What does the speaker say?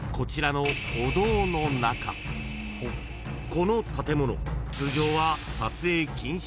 ［この建物通常は］